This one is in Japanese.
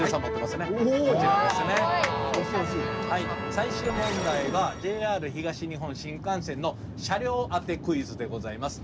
最終問題はＪＲ東日本新幹線の車両あてクイズでございます。